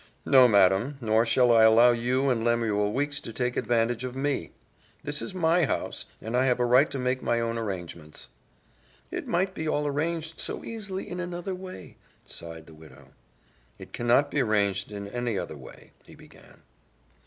"No, madam, nor shall I allow you and Lemuel Weeks to take advantage of me. This is my house and I have a right to make my own arrangements." "It might all be arranged so easily in another way," sighed the widow. "It cannot be arranged in any other way " he began.